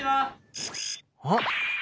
あっ！